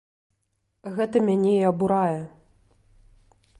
Гэта мяне і абурае!